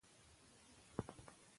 د وږو تږو د لاسنیوي سندرې ویل کېدې.